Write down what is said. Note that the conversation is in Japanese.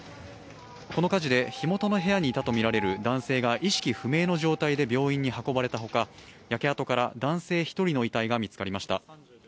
この火事で火元の部屋にいたとみられる男性が意識不明の状態で病院に運ばれた他、焼け跡から男性１人の遺体が見つかりました。